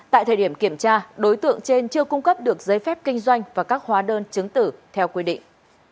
tại thời điểm kiểm tra đối tượng trên chưa cung cấp được giấy phép kinh doanh và các hóa đơn chứng tử theo quy định